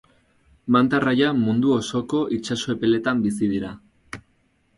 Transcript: Manta-arraia mundu osoko itsaso epeletan bizi dira.